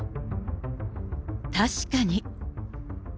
確かに。